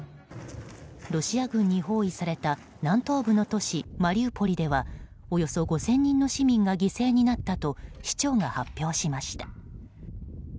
ロシア軍に包囲された南東部の都市マリウポリではおよそ５０００人の市民が犠牲になったと市長が発表しました。